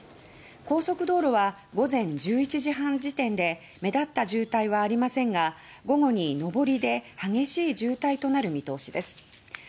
高速道路は午前１１時半時点で目立った渋滞はありませんが午後に上りで激しい渋滞となる見通しです。